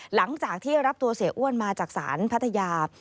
หลังจากที่รับตัวเสียอ้วนมาจากศาลพัทยา